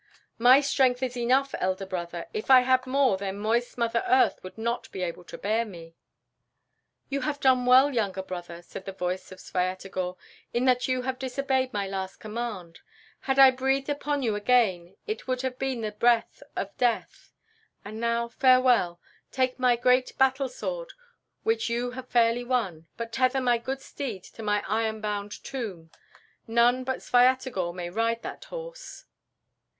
"My strength is enough, elder brother; if I had more, then moist Mother Earth would not be able to bear me." "You have done well, younger brother," said the voice of Svyatogor, "in that you have disobeyed my last command. Had I breathed upon you again, it would have been with the breath of death. And now, farewell! Take my great battle sword, which you have fairly won, but tether my good steed to my iron bound tomb. None but Svyatogor may ride that horse."